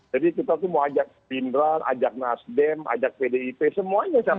jadi kita tuh mau ajak indra ajak nasdem ajak pdit semuanya